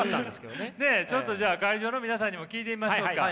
ねえちょっとじゃあ会場の皆さんにも聞いてみましょうか。